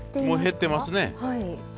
もう減ってますね。